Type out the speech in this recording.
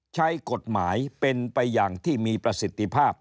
ใช้กฎหมายเป็นไปอย่างที่มีประสิทธิภาพ